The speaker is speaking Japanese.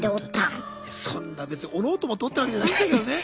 そんな別に折ろうと思って折ってるわけじゃないんだけどね。